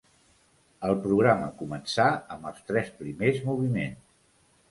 El programa començà amb els tres primers moviments.